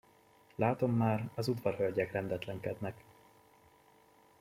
Látom már, az udvarhölgyek rendetlenkednek.